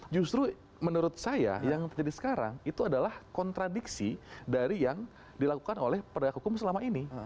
justru menurut saya yang terjadi sekarang itu adalah kontradiksi dari yang dilakukan oleh penegak hukum selama ini